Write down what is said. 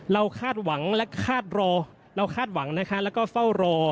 เราคาดหวังและคาดรอแล้วก็เฝ้ารอ